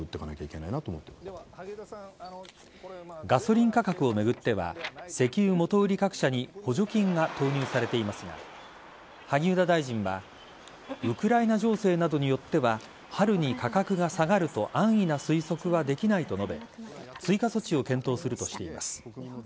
ガソリン価格を巡っては石油元売り各社に補助金が投入されていますが萩生田大臣はウクライナ情勢などによっては春に価格が下がると安易な推測はできないと述べ追加措置を検討するとしています。